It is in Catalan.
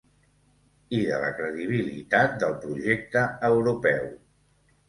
I de la credibilitat del projecte europeu.